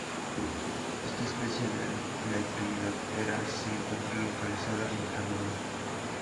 Esta especie de Lepidoptera se encuentra localizada en Camerún.